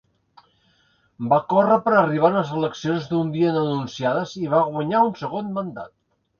Va córrer per arribar a unes eleccions d'un dia no anunciades i va "guanyar" un segon mandat.